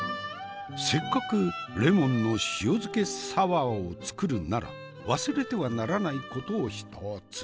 せっかくレモンの塩漬けサワーを作るなら忘れてはならないことを一つ！